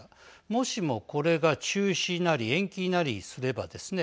もしも、これが中止なり延期なりすればですね